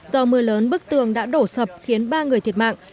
do mưa lớn bức tường đã đổ sập khiến ba người thiệt mạng